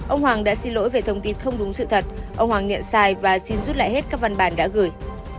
ông hoàng đã xin lỗi về thông tin không đúng sự thật ông hoàng nhận sai và xin rút lại hết các văn bản đã gửi